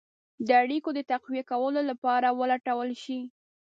د اړېکو د تقویه کولو لپاره ولټول شي.